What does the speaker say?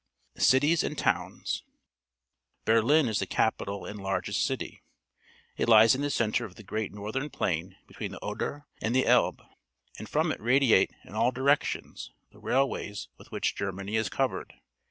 Cities and Towns. — Berlin is the capital and largest city. It lies in~ElIe~cenTre of the~ great northern plain between the Oder and the Elbe, and from it radiate in all directions the railways with which Germany is covered.